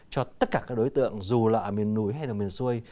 cho tất cả các đối tượng dù là ở miền núi hay là miền xuôi